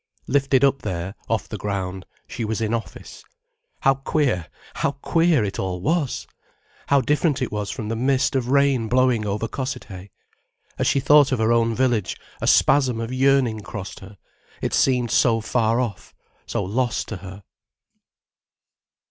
Lifted up there, off the ground, she was in office. How queer, how queer it all was! How different it was from the mist of rain blowing over Cossethay. As she thought of her own village, a spasm of yearning crossed her, it seemed so far off, so lost to her.